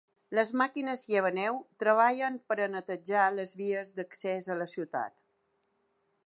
Les màquines llevaneu treballen per a netejar les vies d’accés a la ciutat.